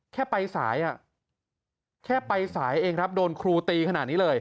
แค่ไปสายแค่ไปสายเองครับโดนครูตีขนาดนี้เลย